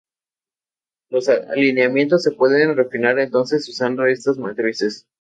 Los alineamientos se pueden refinar entonces usando estas matrices.